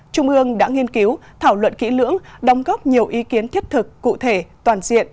trung ương đã nghiên cứu thảo luận kỹ lưỡng đồng góp nhiều ý kiến thiết thực cụ thể toàn diện